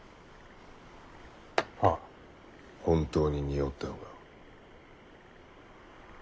本当ににおったのか？